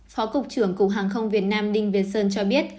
phó cục trưởng cục hàng không việt nam đinh việt sơn cho biết